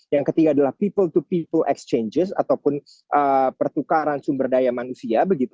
yang ketiga adalah people to people exchanges ataupun pertukaran sumber daya manusia